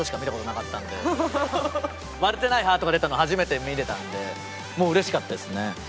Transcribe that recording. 割れてないハートが出たのを初めて見れたんでもううれしかったですね。